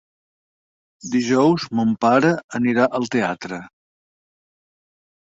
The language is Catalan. Dijous mon pare anirà al teatre.